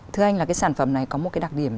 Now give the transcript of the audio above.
thưa anh là cái sản phẩm này có một cái đặc điểm